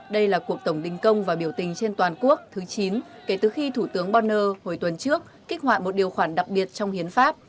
đây là cuộc tổng đình công và biểu tình trên toàn quốc thứ chín kể từ khi thủ tướng bonner hồi tuần trước kích hoạt một điều khoản đặc biệt trong hiến pháp